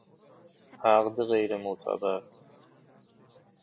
عقد غیر معتبر